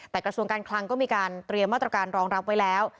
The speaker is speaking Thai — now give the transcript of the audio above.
แต่กระทรวงการคลังก็มีการเตรียมมาตรการรองรับไว้แล้ว